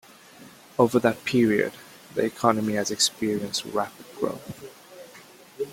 Over that period, the economy has experienced rapid growth.